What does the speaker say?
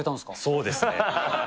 そうですね。